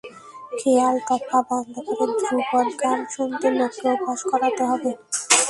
খেয়াল-টপ্পা বন্ধ করে ধ্রুপদ গান শুনতে লোককে অভ্যাস করাতে হবে।